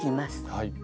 はい。